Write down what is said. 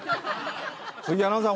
鈴木アナウンサー